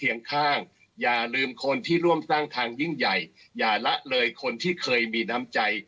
ข้างอย่าลืมคนที่ร่วมสร้างทางยิ่งใหญ่อย่าละเลยคนที่เคยมีน้ำใจ